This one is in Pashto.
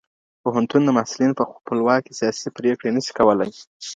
پوهنتون محصلین خپلواکي سیاسي پریکړي نه سي کولای.